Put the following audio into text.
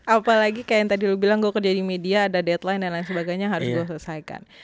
apalagi kayak yang tadi lo bilang gue kerja di media ada deadline dan lain sebagainya harus gue selesaikan